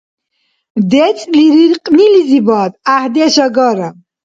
ДецӀлириркьнилизибад гӀяхӀдеш агара.